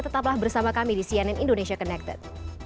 tetaplah bersama kami di cnn indonesia connected